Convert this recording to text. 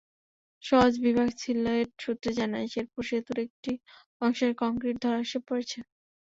সওজ বিভাগ সিলেট সূত্রে জানা যায়, শেরপুর সেতুর একটি অংশের কংক্রিট ধসে পড়েছে।